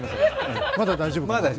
まだ大丈夫かな。